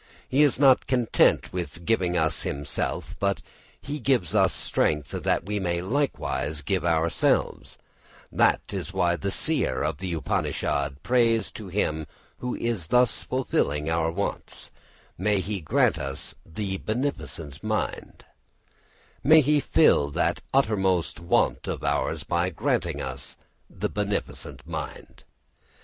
] He is not content with giving us himself, but he gives us strength that we may likewise give ourselves. That is why the seer of the Upanishad prays to him who is thus fulfilling our wants, May he grant us the beneficent mind [Footnote: Sa no buddhya çubhayā samyunaktu.], may he fulfil that uttermost want of ours by granting us the beneficent mind.